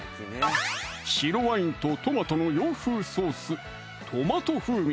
白ワインとトマトの洋風ソース